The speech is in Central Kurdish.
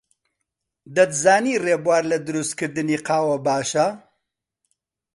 دەتزانی ڕێبوار لە دروستکردنی قاوە باشە؟